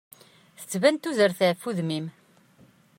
Tettban tuzert ɣef udem-im.